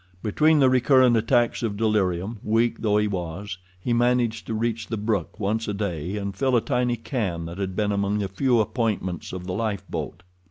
Between the recurrent attacks of delirium, weak though he was, he managed to reach the brook once a day and fill a tiny can that had been among the few appointments of the lifeboat.